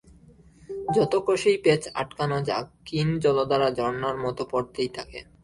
যত কষেই প্যাঁচ আটকানো যাক ক্ষীণ জলধারা ঝরনার মতো পড়তেই থাকে।